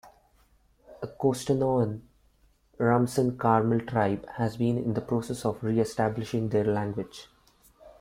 The Costanoan Rumsen Carmel Tribe has been in the process of reestablishing their language.